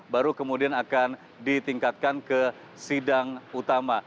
baru kemudian akan ditingkatkan ke sidang utama